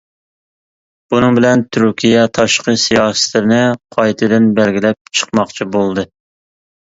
بۇنىڭ بىلەن تۈركىيە تاشقى سىياسىتىنى قايتىدىن بەلگىلەپ چىقماقچى بولدى.